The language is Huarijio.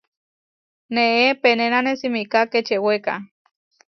Neé penénane simiká kečewéka.